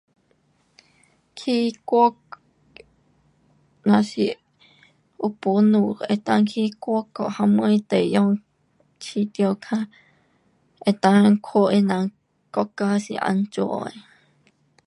去外，若是有本事能够去外国什么地方觉得较能够看他人国家是怎样的。